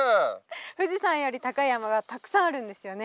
富士山より高い山がたくさんあるんですよね。